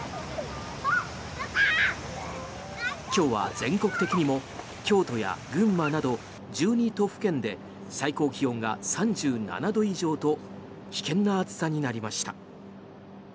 今日は全国的にも京都や群馬など１２都府県で最高気温が３７度以上と危険な暑さとなりました。